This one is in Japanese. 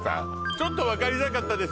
ちょっと分かりづらかったです